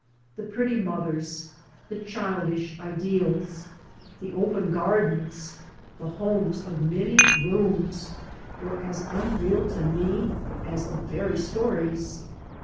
The pretty mothers, the childish ideals, the open gardens, the homes of many rooms were as unreal to me as the fairy stories.